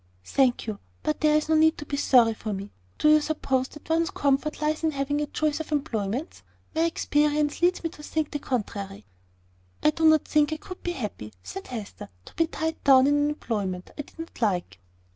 "Thank you; but there's no need to be sorry for me. Do you suppose that one's comfort lies in having a choice of employments? My experience leads me to think the contrary." "I do not think I could be happy," said Hester, "to be tied down to an employment I did not like."